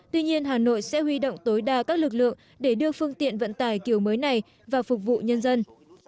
tuy nhiên hà nội sẽ huy động tối đa các lực lượng để đưa phương tiện vận tải kiểu mới này vào phục vụ nhân dân